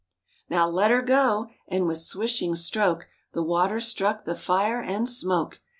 Now let 'er go! " and with swishing stroke The water struck the fire and smoke.